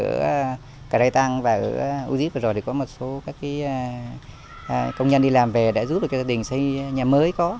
ở cà rây tăng và ở u díp vừa rồi thì có một số các công nhân đi làm về đã giúp cho gia đình xây nhà mới có